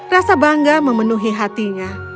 rasa bangga memenuhi hatinya